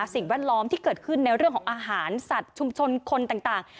สิ่งแวดล้อมที่เกิดขึ้นในเรื่องของอาหารสัตว์ชุมชนคนต่าง